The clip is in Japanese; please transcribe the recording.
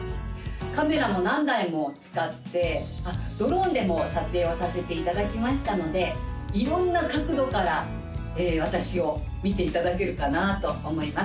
カメラも何台も使ってあっドローンでも撮影をさせていただきましたので色んな角度から私を見ていただけるかなと思います